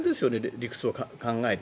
理屈を考えて。